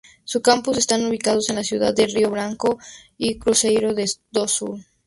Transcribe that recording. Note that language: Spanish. Sus campus están ubicados en las ciudades de Río Branco y Cruzeiro do Sul.